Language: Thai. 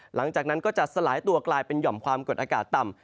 หลังจากนั้นก็จะสลายตัวกลายเป็นหย่อมความกดอากาศต่ำ